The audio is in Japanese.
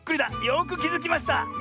よくきづきました！